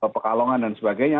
pekalongan dan sebagainya